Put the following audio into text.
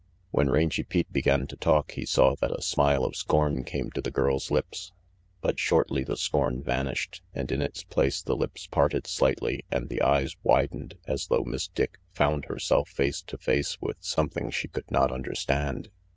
When Rangy Pete began to talk, he saw that a RANGY PETE 297 smile of scorn came to the girl's lips; but shortly the scorn vanished and in its place the lips parted slightly and the eyes widened, as though Miss Dick found herself face to face with something she could not understand.